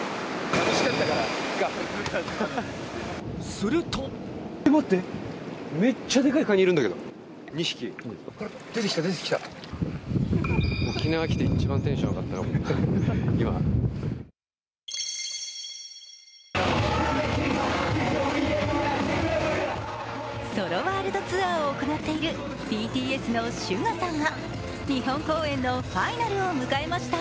するとソロワールドツアーを行っているＢＴＳのＳＵＧＡさんが日本公演のファイナルを迎えました。